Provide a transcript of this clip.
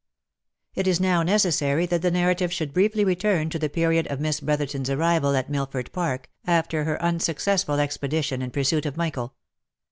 It is now necessary that the narrative should briefly return to the period of Miss Brotherton's arrival at Milford Park, after her unsuc cessful expedition in pursuit of Michael.